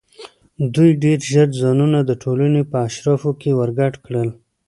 دوی ډېر ژر ځانونه د ټولنې په اشرافو کې ورګډ کړل.